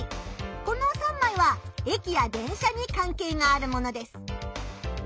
この３枚は駅や電車にかん係があるものです。